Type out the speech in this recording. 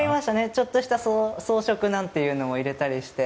ちょっとした装飾なんかも入れたりして。